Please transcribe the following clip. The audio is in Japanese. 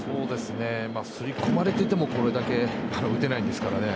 刷り込まれていてもこれだけ打てないですからね